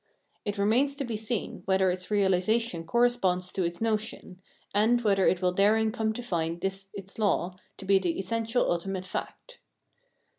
It remains to be seen whether its realisation corresponds to its notion, and whether it will therein come to find this its law to be the essential ultimate fact.